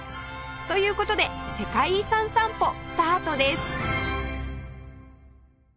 という事で世界遺産散歩スタートです